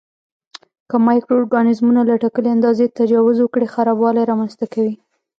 که مایکرو ارګانیزمونه له ټاکلي اندازې تجاوز وکړي خرابوالی رامینځته کوي.